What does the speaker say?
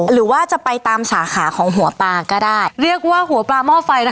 หรือว่าจะไปตามสาขาของหัวปลาก็ได้เรียกว่าหัวปลาหม้อไฟนะคะ